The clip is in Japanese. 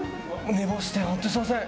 寝坊して本当にすみません。